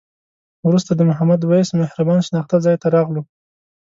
وروسته د محمد وېس مهربان شناخته ځای ته راغلو.